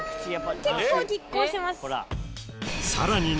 結構拮抗してます。